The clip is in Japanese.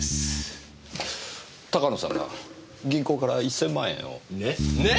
鷹野さんが銀行から１千万円を？ね？ね？